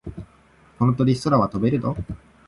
この鳥、空は飛べるの？